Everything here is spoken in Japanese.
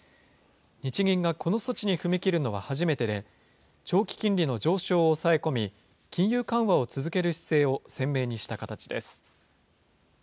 日銀がこの措置に踏み切るのは初めてで、長期金利の上昇を抑え込み、金融緩和を続ける姿勢を鮮明にした形です。